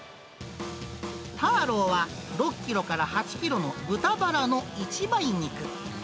ターローは、６キロから８キロの豚バラの一枚肉。